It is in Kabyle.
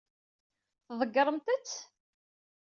Tḍeggṛemt-t?